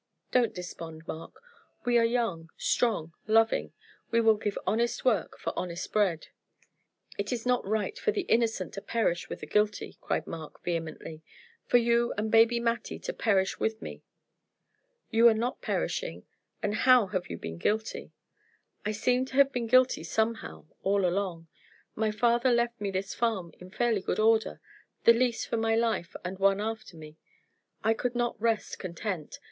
"Don't despond, Mark. We are young, strong, loving. We will give honest work for honest bread." "It is not right for the innocent to perish with the guilty," cried Mark, vehemently; "for you and baby Mattie to perish with me." "You are not perishing, and how have you been guilty." "I seem to have been guilty, somehow, all along. My father left me this farm in fairly good order, the lease for my life and one after me. I could not rest content.